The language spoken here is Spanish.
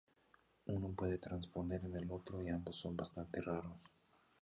Uno puede transponer en el otro y ambos son bastante raros.